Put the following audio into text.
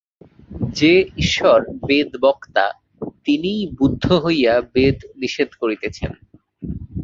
যে ঈশ্বর বেদ-বক্তা, তিনিই বুদ্ধ হইয়া বেদ নিষেধ করিতেছেন।